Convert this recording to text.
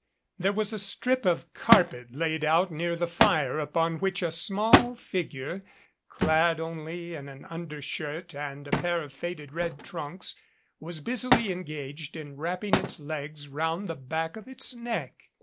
There was a strip of carpet laid out near the fire upon which a small figure, clad only in an undershirt and a pair of faded red trunks, was busily engaged in 140 THE FABIANI FAMILY wrapping its legs round the back of its neck.